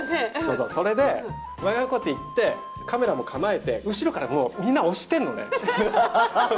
それでこういって、カメラも構えて、後ろからもうみんな押してんのね。